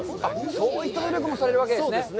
そういった努力もされるわけですね。